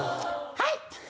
はい！